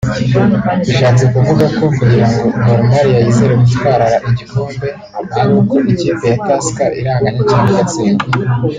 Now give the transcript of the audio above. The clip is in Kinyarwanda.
Bishatse kuvuga ko kugira ngo Gor Mahia yizere gutwarara igikombe ari uko ikipe ya Tusker iranganya cyangwa igatsindwa